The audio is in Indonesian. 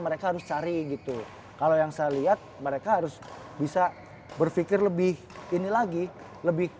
mereka harus cari gitu kalau yang saya lihat mereka harus bisa berpikir lebih ini lagi lebih